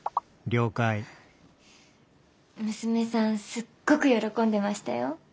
すっごく喜んでましたよ。